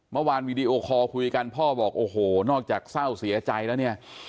เมื่อวานวีดีโอคอลคุยกันพ่อบอกโอ้โหนอกจากเศร้าเสียใจแล้วเนี่ย